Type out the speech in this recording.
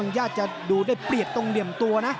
ญาติจะดูได้เปรียบตรงเหลี่ยมตัวนะ